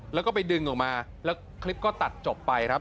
แล้วก็ไปดึงออกมาแล้วคลิปก็ตัดจบไปครับ